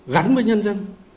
gắn với nhân dân